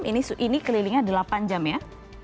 ini kelilingnya delapan jam ya